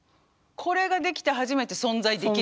これができて初めて存在できると。